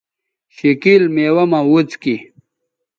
شِکِیل میوہ مہ وڅکیئ